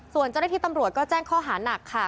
ส่วนที่ตำรวจแจ้งข้อหาหนักค่ะ